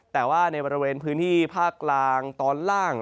แต่ว่าในบริเวณพื้นที่ภาคกลางตอนล่าง